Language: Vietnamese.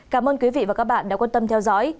cảm ơn quý vị và các bạn đã quan tâm theo dõi